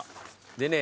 でね